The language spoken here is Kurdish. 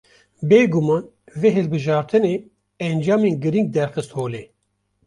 Bê guman vê hilbijartinê, encamên girîng derxist holê